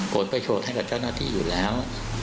ผลประโยชน์ให้กับเจ้าหน้าที่อยู่แล้ว